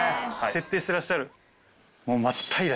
徹底してらっしゃる。